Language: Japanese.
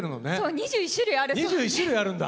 ２１種類あるんだ！